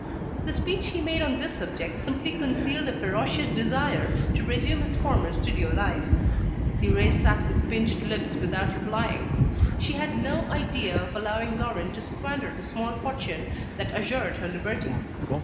The speech he made on this subject simply concealed a ferocious desire to resume his former studio life. Thérèse sat with pinched lips without replying; she had no idea of allowing Laurent to squander the small fortune that assured her liberty.